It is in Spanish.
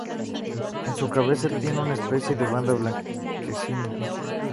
En su cabeza tiene una especie de banda blanquecina.